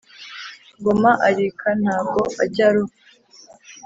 Ngoma arika ntago ajya aruha